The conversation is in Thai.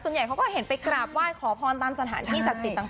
เขาก็เห็นไปกราบไหว้ขอพรตามสถานที่ศักดิ์สิทธิต่าง